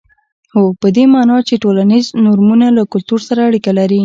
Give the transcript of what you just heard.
هو په دې معنا چې ټولنیز نورمونه له کلتور سره اړیکه لري.